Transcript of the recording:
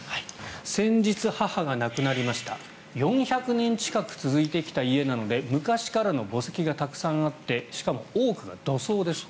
先日、母が亡くなりました４００年近く続いてきた家なので昔からの墓石がたくさんあってしかも多くが土葬です。